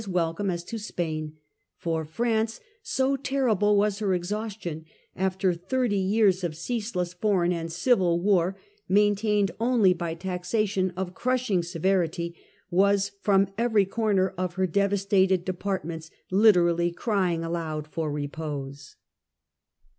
welcome as to Spain ; for France, so terrible was her exhaustion after thirty years of ceaseless foreign and civil war, maintained only by taxation of crushing severity, was from every corner of her devastated depart ments literally crying aloud for repose.